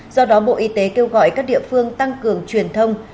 do đó bộ y tế kêu gọi các địa phương tăng cường truyền thông